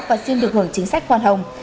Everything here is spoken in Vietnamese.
và xin được hưởng chính sách hoàn hồng